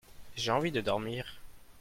J'ai envie de dormir.